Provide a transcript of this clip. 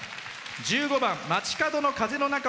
１５番「街角の風の中」